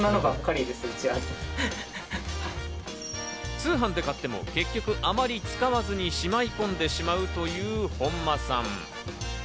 通販で買っても、結局あまり使わずに、しまい込んでしまうという本間さん。